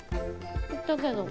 言ったけど。